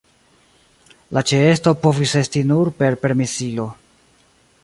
La ĉeesto povis esti nur per permesilo.